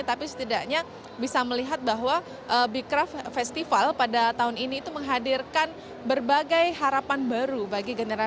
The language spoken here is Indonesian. tapi setidaknya bisa melihat bahwa becraft festival pada tahun ini itu menghadirkan berbagai harapan baru bagi generasi